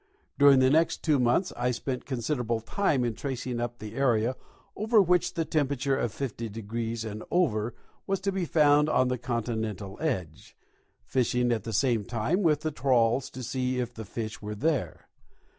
During the next two months I spent considerable time in tracing up the area over which the temperature of 50° and over was to be found on the continental edge, fishing at the same time with the trawls to see if the fish were there.